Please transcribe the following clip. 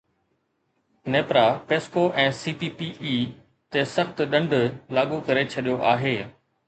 NEPRA PESCO ۽ C P P A تي سخت ڏنڊ لاڳو ڪري ڇڏيو آهي